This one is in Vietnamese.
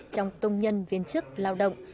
trong tông nhân viên chức lao động